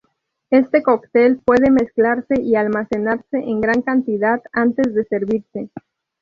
Este cóctel puede mezclarse y almacenarse en gran cantidad antes de servirse.